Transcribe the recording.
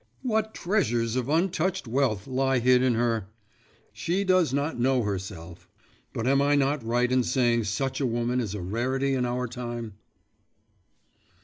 What treasures of untouched wealth lie hid in her! She does not know herself. But am I not right in saying such a woman is a rarity in our time?